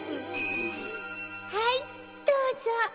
はいどうぞ。